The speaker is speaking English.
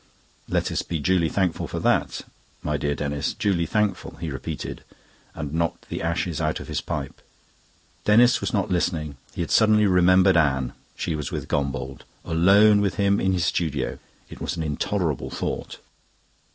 Let us be duly thankful for that, my dear Denis duly thankful," he repeated, and knocked the ashes out of his pipe. Denis was not listening. He had suddenly remembered Anne. She was with Gombauld alone with him in his studio. It was an intolerable thought.